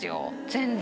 全然。